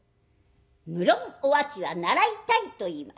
無論お秋は習いたいといいます。